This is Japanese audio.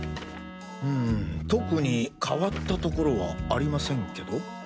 うん特に変わったところはありませんけど。